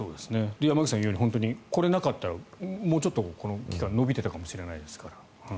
山口さんが言うようにこれがなかったらもうちょっとこの期間延びていたかもしれないですから。